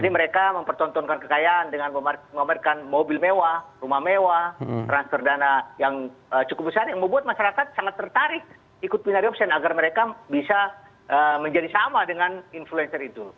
mereka mempertontonkan kekayaan dengan memberikan mobil mewah rumah mewah transfer dana yang cukup besar yang membuat masyarakat sangat tertarik ikut pinari option agar mereka bisa menjadi sama dengan influencer itu